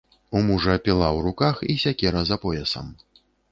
У мужа піла ў руках і сякера за поясам.